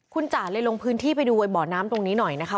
คุณจ๋าเลยลงพื้นที่ไปดูไอบ่อน้ำตรงนี้หน่อยนะคะ